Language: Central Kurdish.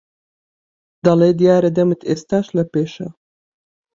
دەڵێ دیارە دەمت ئێستاش لەپێشە